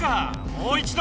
もう一ど！